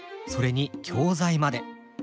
それに教材まで。